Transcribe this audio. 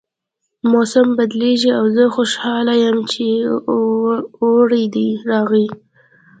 موسم بدلیږي او زه خوشحاله یم چې اوړی راغی